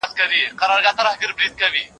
چي تا ویني همېشه به کښته ګوري